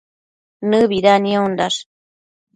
Nëbida niondash